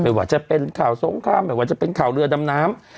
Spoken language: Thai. ว่าจะเป็นข่าวสงครามไม่ว่าจะเป็นข่าวเรือดำน้ำ